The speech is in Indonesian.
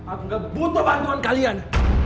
aku nggak butuh bantuan kalian